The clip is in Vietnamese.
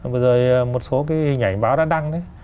bây giờ một số nhà hình báo đã đăng đấy